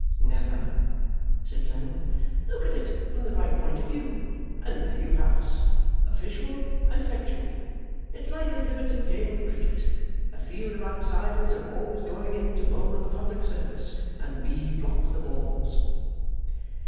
'Never,' said Clennam. 'Look at it from the right point of view, and there you have us official and effectual. It's like a limited game of cricket. A field of outsiders are always going in to bowl at the Public Service, and we block the balls.